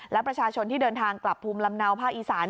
และประชาชนที่เดินทางกลับภูมิลำเนาภาคอีสาน